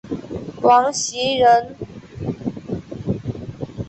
王袭人。